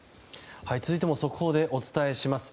続いても速報でお伝えします。